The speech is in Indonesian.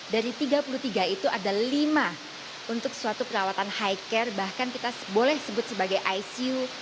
dari tiga puluh tiga itu ada lima untuk suatu perawatan high care bahkan kita boleh sebut sebagai icu